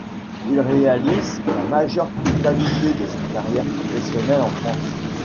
Il réalise la majeure totalité de sa carrière professionnelle en France.